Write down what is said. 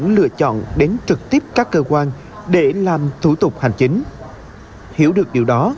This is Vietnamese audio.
người dân vẫn lựa chọn đến trực tiếp các cơ quan để làm thủ tục hành chính hiểu được điều đó